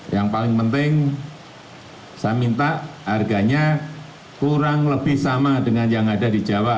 yang paling penting saya minta harganya kurang lebih sama dengan yang ada di jawa